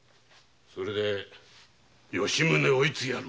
それで吉宗をいつ殺る？